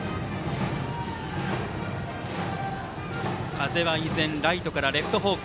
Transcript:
風は依然ライトからレフト方向。